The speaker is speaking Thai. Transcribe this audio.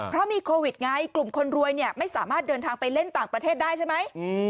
เพราะมีโควิดไงกลุ่มคนรวยเนี่ยไม่สามารถเดินทางไปเล่นต่างประเทศได้ใช่ไหม